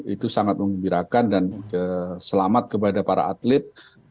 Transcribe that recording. itu sangat mengembirakan dan selamat kepada para atlet